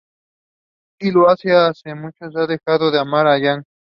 Él lo hace pues nunca ha dejado de amar a Yang.